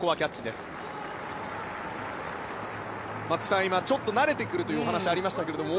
松木さん、ちょっと慣れてくるというお話がありましたが。